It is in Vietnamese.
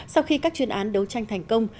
sau khi các chuyên án đấu tranh thành công